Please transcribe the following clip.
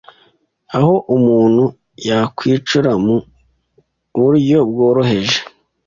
aho umuntu yakwicura mu buryo bworoheje.